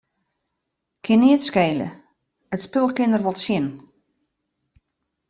Kin neat skele, it spul kin der wol tsjin.